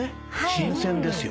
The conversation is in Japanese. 新鮮ですよね。